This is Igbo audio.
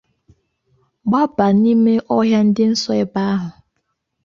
gbabàá n'ime ọhịa dị nso ebe ahụ